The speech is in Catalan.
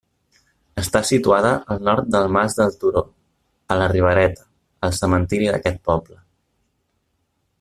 Està situada al nord del Mas del Turo, a la Ribereta, al cementiri d'aquest poble.